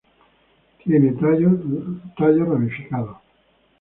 Tiene tallos ramificadas.